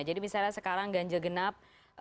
jadi misalnya sekarang ganjil genap